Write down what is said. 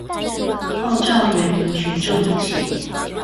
號召人民群眾一起